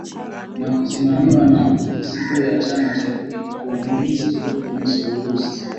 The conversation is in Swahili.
na kusimamiwa na ofisi kuu ya chama cha kikomunisti huko Moscow Urusi